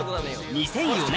２００４年